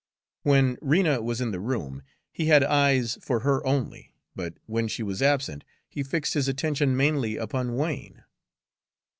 When Rena was in the room, he had eyes for her only, but when she was absent, he fixed his attention mainly upon Wain.